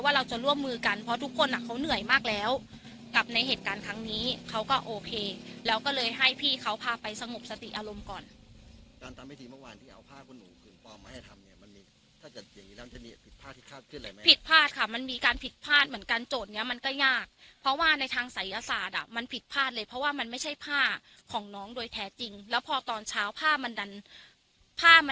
การทำพิธีเมื่อวานที่เอาผ้าคุณหนูคือปลอมมาให้ทำเนี่ยมันมีถ้าจะอย่างงี้แล้วมันจะมีผิดพลาดที่ขาดขึ้นอะไรมั้ยผิดพลาดค่ะมันมีการผิดพลาดเหมือนกันโจทย์เนี้ยมันก็ยากเพราะว่าในทางศัยศาสตร์อ่ะมันผิดพลาดเลยเพราะว่ามันไม่ใช่ผ้าของน้องโดยแท้จริงแล้วพอตอนเช้าผ้ามันดันผ้าม